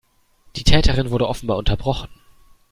Die Täterin wurde offenbar unterbrochen.